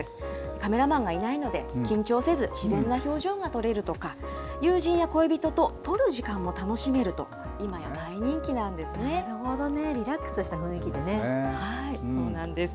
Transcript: カメラマンがいないので、緊張せず自然な表情が撮れるとか、友人や恋人と撮る時間も楽しめるなるほどね、リラックスしたそうなんです。